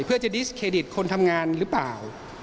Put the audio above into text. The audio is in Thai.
เพื่อจะดิสเครดิตคนทำงานหรือเปล่า